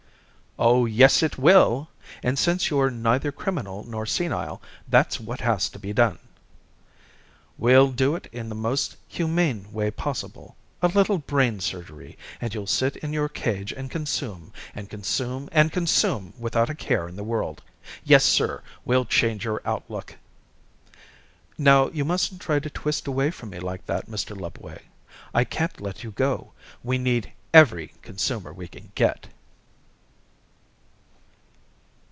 "Oh, yes, it will! And since you're neither criminal nor senile, that's what has to be done. "We'll do it in the most humane way possible. A little brain surgery, and you'll sit in your cage and consume and consume and consume without a care in the world. Yes, sir, we'll change your outlook! "Now, you mustn't try to twist away from me like that, Mr. Lubway. I can't let you go. We need every consumer we can get."